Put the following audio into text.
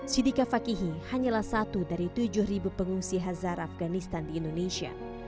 sidika fakihi hanyalah satu dari tujuh pengungsi hazar afganistan di indonesia